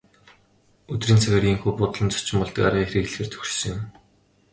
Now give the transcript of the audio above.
Өдрийн цагаар ийнхүү буудлын зочин болдог аргыг хэрэглэхээр тохирсон юм.